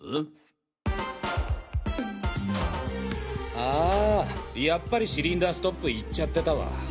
あやっぱりシリンダーストップいっちゃってたわ。